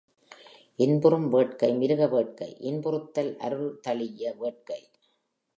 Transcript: இன்புறும் வேட்கை மிருக வேட்கை இன்புறுத்தல் அருள் தழிஇய வேட்கை.